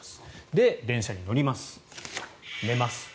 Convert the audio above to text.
で、電車に乗ります。